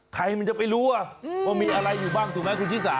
ใครมันจะไปรู้ว่ามีอะไรอยู่บ้างถูกไหมคุณชิสา